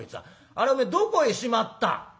あれお前どこへしまった？」。